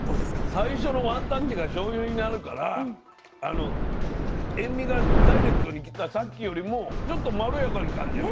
最初のワンタッチがしょうゆになるから塩味がダイレクトにきたさっきよりもちょっとまろやかに感じる。